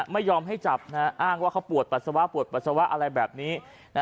ไม่ยอมให้จับอ้างว่าเขาปวดปัสสาวะปวดปัสสาวะอะไรแบบนี้